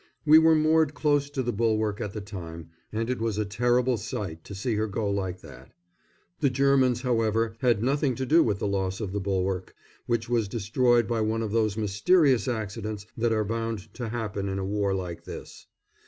We were moored close to the Bulwark at the time, and it was a terrible sight to see her go like that. The Germans, however, had nothing to do with the loss of the Bulwark, which was destroyed by one of those mysterious accidents that are bound to happen in a war like this.